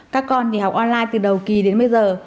các con thì học online từ đầu kỳ đến bây giờ